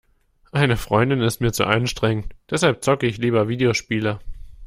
Eine Freundin ist mir zu anstrengend, deshalb zocke ich lieber Videospiele.